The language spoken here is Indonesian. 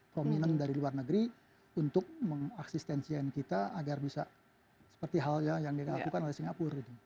prominent dari luar negeri untuk mengaksistensi kita agar bisa seperti halnya yang dilakukan oleh singapura